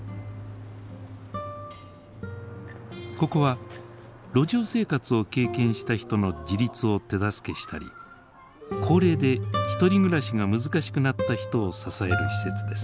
ここは路上生活を経験した人の自立を手助けしたり高齢で一人暮らしが難しくなった人を支える施設です。